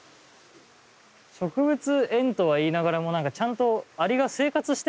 植物園とはいいながらも何かちゃんとアリが生活してますね